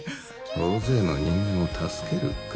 「大勢の人間を助ける」か。